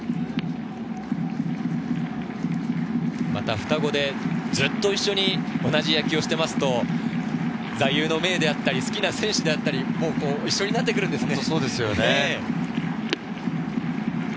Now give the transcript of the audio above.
双子でずっと一緒に同じ野球をしていると座右の銘であったり好きな選手であったり一緒になってくるんですね。